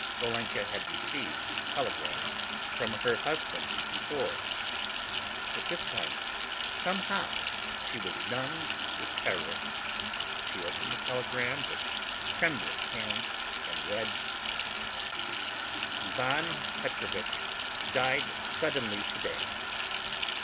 Olenka had received telegrams from her husband before; but this time, somehow, she was numbed with terror. She opened the telegram with trembling hands and read: "Ivan Petrovich died suddenly to day.